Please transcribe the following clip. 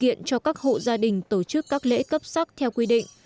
kiện cho các hộ gia đình tổ chức các lễ cấp sắc theo quy định